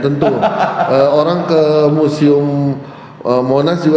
ke musium monas juga kan cara otomatis jadi orang betawi atau tapi bisa belajar sejarah indonesia dan